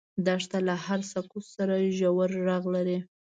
دښته له هرې سکوت سره ژور غږ لري.